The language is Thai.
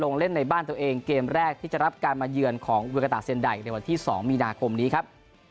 ลงเล่นในบ้านตัวเองเกมแรกที่จะรับการมาเยือนของเวกาตาเซ็นไดในวันที่๒มีนาคมนี้ครับ